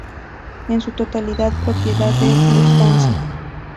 Es en su totalidad propiedad de Lufthansa.